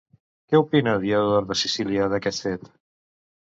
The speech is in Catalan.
Què opina Diodor de Sicília d'aquest fet?